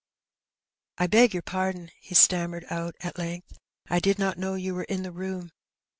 ^^ I beg pardon," he stammered out at length. " I did not know you were in the room."